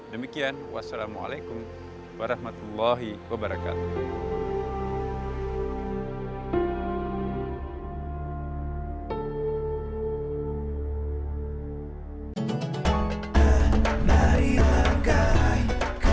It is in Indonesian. demikian wassalamualaikum warahmatullahi wabarakatuh